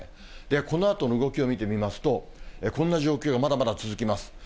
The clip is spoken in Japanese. このあとの動きを見てみますと、こんな状況がまだまだ続きます。